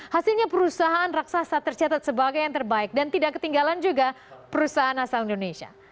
hasilnya perusahaan raksasa tercatat sebagai yang terbaik dan tidak ketinggalan juga perusahaan asal indonesia